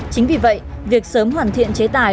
chính vì vậy việc sớm hoàn thiện chế tài